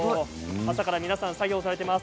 朝から皆さん作業されています。